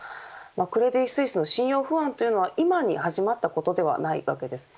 クレディ・スイスの信用不安は今に始まったことではないわけです。